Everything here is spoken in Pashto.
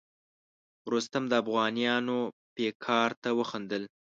رستم د افغانیانو پیکار ته وخندل.